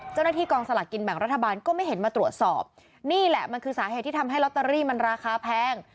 เจ้าหน้าที่กองสลากกินแบ่งรัฐบาลก็ไม่เห็นมาตรวจสอบนี่แหละมันคือสาเหตุที่ทำให้ลอตเตอรี่มันราคาแพง